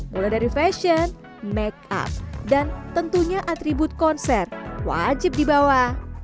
mulai dari fashion make up dan tentunya atribut konser wajib dibawa